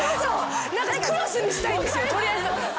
クロスにしたいんです取りあえず。